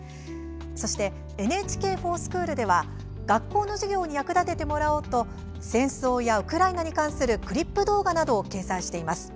そして「ＮＨＫｆｏｒＳｃｈｏｏｌ」では学校の授業に役立ててもらおうと戦争やウクライナに関するクリップ動画などを掲載しています。